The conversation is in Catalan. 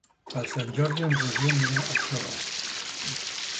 Per Sant Jordi en Roger anirà a Xóvar.